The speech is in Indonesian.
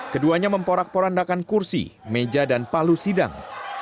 keduanya memporak porandakan kursi meja dan palu sidang